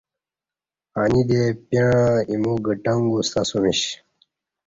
انی دے پیݩع ایمو گٹݣ گوستہ اسمیش